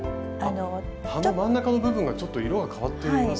葉の真ん中の部分がちょっと色が変わっていますよね。